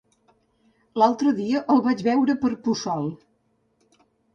L'altre dia el vaig veure per Puçol.